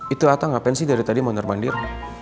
itu ata gapensi dari tadi mau nerbandir